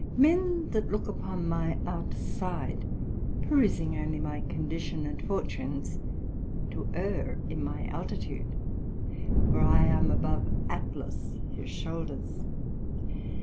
Men that look upon my outside, perusing only my condition and Fortunes, do err in my Altitude, for I am above Atlas his shoulders.